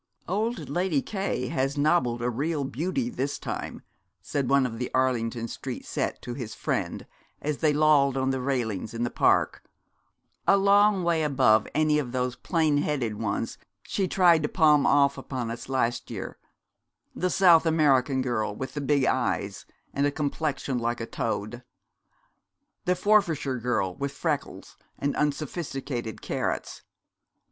'Old Lady K has nobbled a real beauty, this time,' said one of the Arlington Street set to his friend as they lolled on the railings in the park, 'a long way above any of those plain headed ones she tried to palm off upon us last year: the South American girl with the big eyes and a complexion like a toad, the Forfarshire girl with freckles and unsophisticated carrots.